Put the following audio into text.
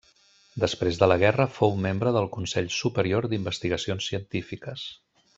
Després de la guerra fou membre del Consell Superior d'Investigacions Científiques.